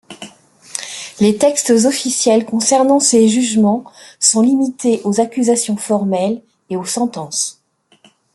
Les textes officiels concernant ces jugements sont limités aux accusations formelles et aux sentences.